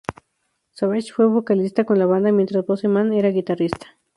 Savage fue vocalista en la banda mientras Bozeman era el guitarrista.